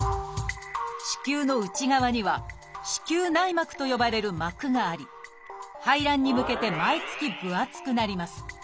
子宮の内側には「子宮内膜」と呼ばれる膜があり排卵に向けて毎月分厚くなります。